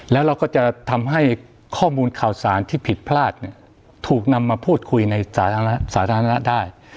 แล้วเราก็จะทำให้ข้อมูลข่าวสารที่ผิดพลาดถูกนำมาพูดคุยในสาธารณะได้